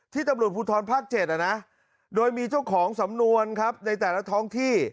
ตำรวจภูทรภาค๗โดยมีเจ้าของสำนวนครับในแต่ละท้องที่